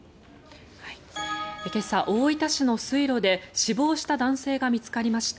今朝、大分市の水路で死亡した男性が見つかりました。